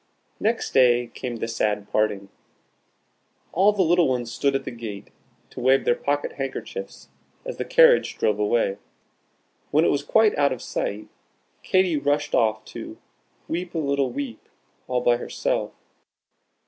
Next day came the sad parting. All the little ones stood at the gate, to wave their pocket handkerchiefs as the carriage drove away. When it was quite out of sight, Katy rushed off to "weep a little weep," all by herself.